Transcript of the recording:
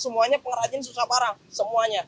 semuanya pengrajin susah barang semuanya